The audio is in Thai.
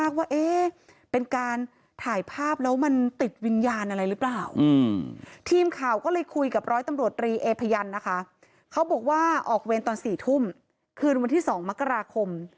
คืนวันที่๒มกราคม